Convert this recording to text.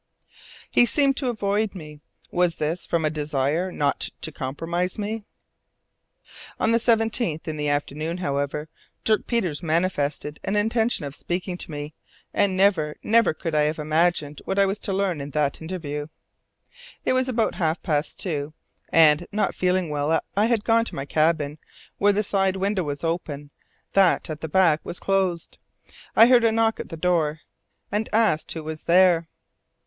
He seemed to avoid me; was this from a desire not to compromise me? On the 17th, in the afternoon, however, Dirk Peters manifested an intention of speaking to me, and never, no, never, could I have imagined what I was to learn in that interview. It was about half past two, and, not feeling well, I had gone to my cabin, where the side window was open, while that at the back was closed. I heard a knock at the door, and asked who was there.